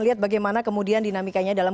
lihat bagaimana kemudian dinamikanya dalam